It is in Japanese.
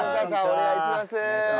お願いします。